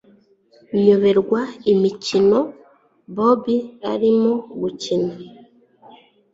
nyoberwa imikino bobi arimo gukina